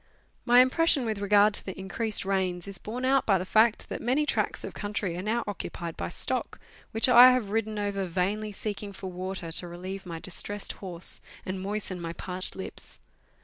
My impression with regard to the increased rains is borne out by the fact that many tracts of country are now occupied by stock, which I have ridden over vainly seeking for water to relieve my distressed horse, and moisten my parched lips.